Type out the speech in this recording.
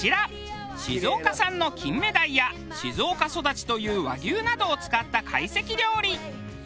静岡産の金目鯛や「静岡そだち」という和牛などを使った懐石料理。